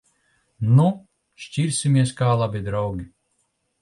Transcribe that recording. Nu! Šķirsimies kā labi draugi.